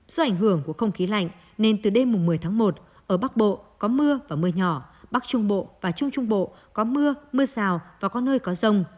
do ảnh hưởng của không khí lạnh nên từ đêm một mươi tháng một ở bắc bộ có mưa và mưa nhỏ bắc trung bộ và trung trung bộ có mưa mưa rào và có nơi có rông